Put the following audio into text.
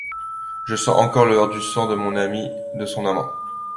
Je sens encore l’odeur du sang de mon am-– de son amant.